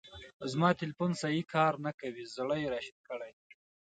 زما تیلیفون سیی کار نه کوی. زړه یې را شین کړی.